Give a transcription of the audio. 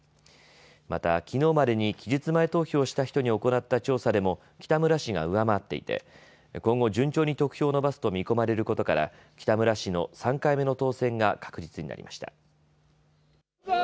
また、きのうまでに期日前投票をした人に行った調査でも北村氏が上回っていて今後、順調に得票を伸ばすと見込まれることから北村氏の３回目の当選が確実になりました。